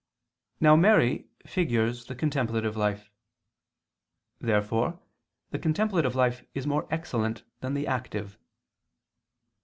Now Mary figures the contemplative life. Therefore the contemplative life is more excellent than the active.